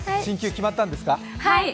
進級決まったんですか？